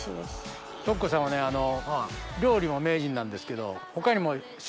示子さんはね料理も名人なんですけど。